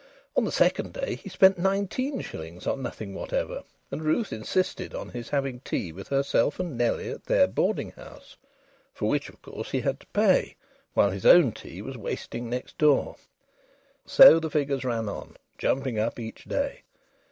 On the second day he spent nineteen shillings on nothing whatever, and Ruth insisted on his having tea with herself and Nellie at their boarding house; for which of course he had to pay, while his own tea was wasting next door. So the figures ran on, jumping up each day.